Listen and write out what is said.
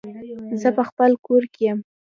زه په خپل کور کې يم